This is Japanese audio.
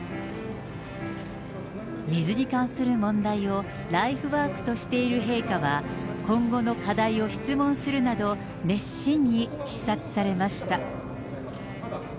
水に関する問題をライフワークとしている陛下は、今後の課題を質問するなど、熱心に視察されました。